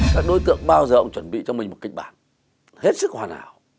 các đối tượng bao giờ cũng chuẩn bị cho mình một kịch bản hết sức hoàn hảo